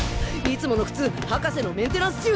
いつもの靴博士のメンテナンス中。